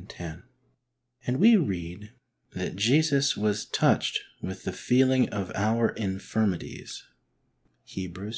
9, 10), and we read that Jesus was "touched with the feeling of our infirmities" {Heb, iv.